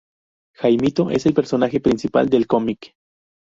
Jaimito: Es el personaje principal del cómic.